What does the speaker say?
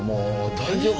大丈夫？